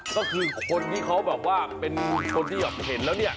ก็คือคนที่เขาแบบว่าเป็นคนที่แบบเห็นแล้วเนี่ย